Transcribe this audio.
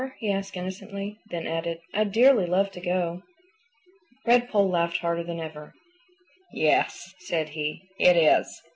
he asked innocently; then added, "I'd dearly love to go." Redpoll laughed harder than ever. "Yes," said he, "it is.